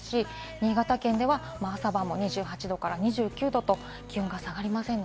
新潟県では朝晩も２８度から２９度と気温が下がりません。